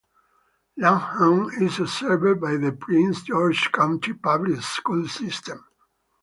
Lanham is served by the Prince George's County Public Schools system.